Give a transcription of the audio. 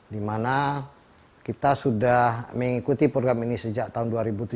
dimana kita sudah mengikuti program ini sejak tahun dua ribu tujuh belas